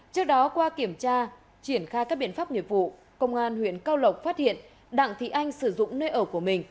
trước đó qua kiểm tra triển khai các biện pháp nghiệp vụ công an huyện cao lộc phát hiện đặng thị anh sử dụng nơi ở của mình